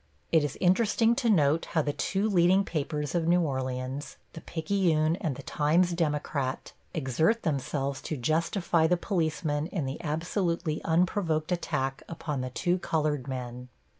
It is interesting to note how the two leading papers of New Orleans, the Picayune and the Times Democrat, exert themselves to justify the policemen in the absolutely unprovoked attack upon the two colored men.